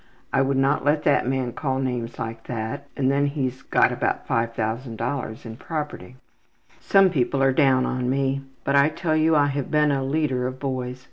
I would not let that man call names like that, and then he's got about $5000 in property. ``Some people are down on me, but I tell you I have been a leader of boys.